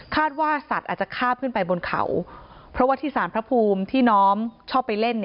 ว่าสัตว์อาจจะฆ่าขึ้นไปบนเขาเพราะว่าที่สารพระภูมิที่น้องชอบไปเล่น